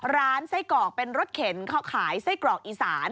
ร้านไส้กรอกเป็นรถเข็นเขาขายไส้กรอกอีสาน